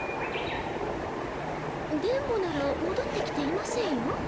電ボならもどってきていませんよ。